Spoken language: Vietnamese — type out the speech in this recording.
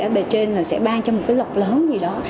ở bề trên sẽ ban cho một cái lọc lớn gì đó